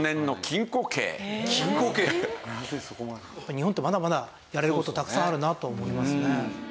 日本ってまだまだやれる事たくさんあるなと思いますね。